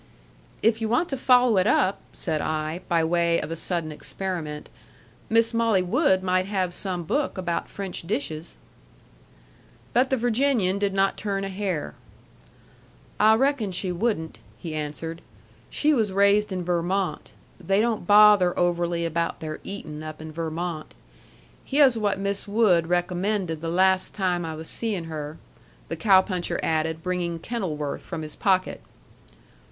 "If you want to follow it up," said I, by way of a sudden experiment, "Miss Molly Wood might have some book about French dishes." But the Virginian did not turn a hair. "I reckon she wouldn't," he answered. "She was raised in Vermont. They don't bother overly about their eatin' up in Vermont. Hyeh's what Miss Wood recommended the las' time I was seein' her," the cow puncher added, bringing Kenilworth from his pocket.